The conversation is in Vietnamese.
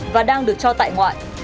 và đang được cho tại ngoại